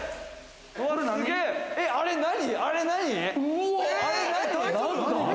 あれ何？